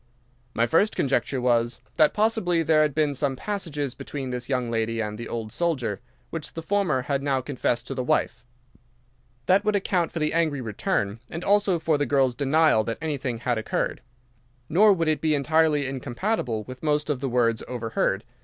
"My first conjecture was, that possibly there had been some passages between this young lady and the old soldier, which the former had now confessed to the wife. That would account for the angry return, and also for the girl's denial that anything had occurred. Nor would it be entirely incompatible with most of the words overheard.